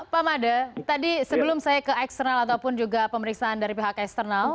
pak made tadi sebelum saya ke eksternal ataupun juga pemeriksaan dari pihak eksternal